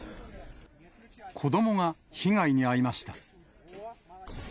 子どもが被害に遭いました。